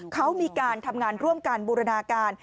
เขามีการทำงานร่วมกันบูรณาการ